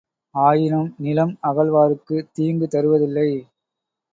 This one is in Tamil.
ஆயினும் நிலம் அகழ்வாருக்குத் தீங்கு தருவதில்லை.